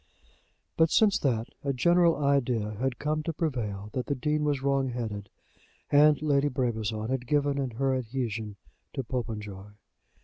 But, since that, a general idea had come to prevail that the Dean was wrong headed, and Lady Brabazon had given in her adhesion to Popenjoy.